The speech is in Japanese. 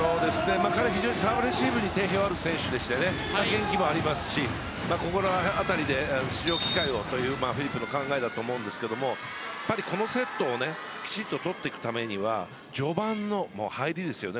彼はサーブレシーブに定評のある選手で元気もありますしここら辺りで出場機会をというフィリップの考えだと思いますがやっぱりこのセットをきちっと取っていくためには序盤の入りですよね。